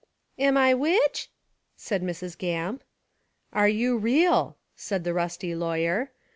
"Am I widge?" said Mrs. Gamp. "Are you real?" said the rusty lawyer.